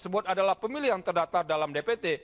bahwa tujuh belas lima juta pemilih tidak wajar dalam dpt